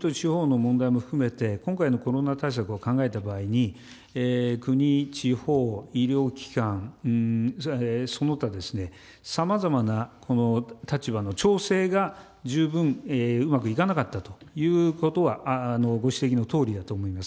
国と地方の問題も含めて、今回のコロナ対策を考えた場合に、国、地方、医療機関、その他ですね、さまざまな立場の調整が十分うまくいかなかったということは、ご指摘のとおりだと思います。